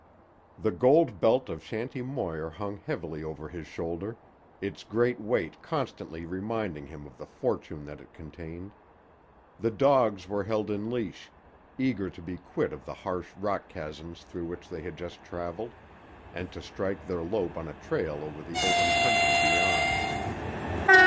The gold belt of Shanty Moir hung heavily over his shoulder, its great weight constantly reminding him of the fortune that it contained. The dogs were held in leash, eager to be quit of the harsh rock chasms through which they had just travelled, and to strike their lope on a trail over the open country beyond.